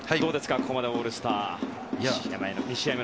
ここまでのオールスター。